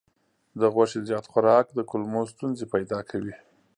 د غوښې زیات خوراک د کولمو ستونزې پیدا کوي.